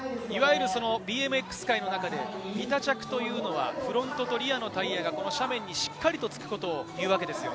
ＢＭＸ界の中でビタ着というのはフロントとリアのタイヤが斜面にしっかりとつくことをいうわけです。